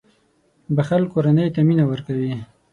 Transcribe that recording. • بښل کورنۍ ته مینه ورکوي.